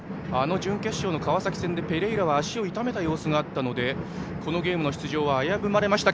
準決勝の川崎戦でペレイラは足を痛めた様子があったのでこのゲームの出場は危ぶまれましたが。